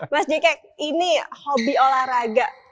mas jk ini hobi olahraga